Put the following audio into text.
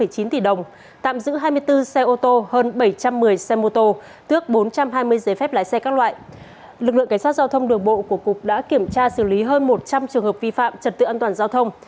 cho giao thông đường bộ của cục đã kiểm tra xử lý hơn một trăm linh trường hợp vi phạm trật tự an toàn giao thông